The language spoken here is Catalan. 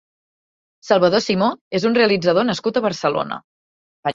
Salvador Simó és un realitzador nascut a Barcelona.